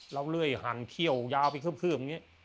แล้วเรื่อยหันเขี้ยวยาวไปขึ้มอย่างนี้